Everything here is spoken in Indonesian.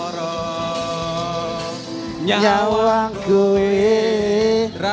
rambi ruang dia